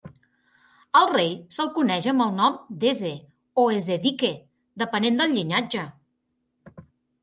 Al rei se'l coneix amb el nom d'"Eze" o "Ezedike", depenent del llinatge.